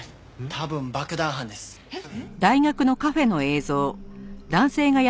多分爆弾犯です。えっ？